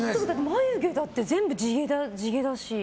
眉毛だって全部地毛だし。